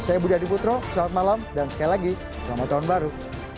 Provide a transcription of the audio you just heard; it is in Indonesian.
saya budi adiputro selamat malam dan sekali lagi selamat tahun baru